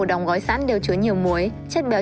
đóng gói sẵn đều chứa nhiều muối chất béo